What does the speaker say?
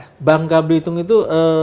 satu banka belitung itu